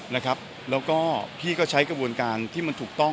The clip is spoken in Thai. แล้วก็พี่ก็ใช้กระบวนการที่มันถูกต้อง